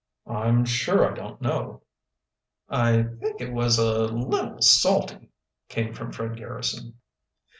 "I'm sure I don't know." "I think it was a little salty," came from Fred Garrison.